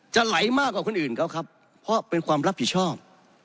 ไหลมากกว่าคนอื่นเขาครับเพราะเป็นความรับผิดชอบ